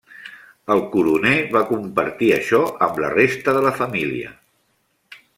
El coroner va compartir això amb la resta de la família.